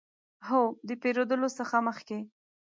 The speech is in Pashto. هو، د پیرودلو څخه مخکې